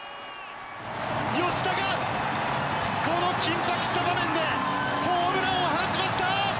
吉田がこの緊迫した場面でホームランを放ちました！